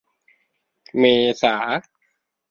เมษา